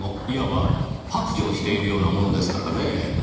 いわば白状しているようなものですからねぇ。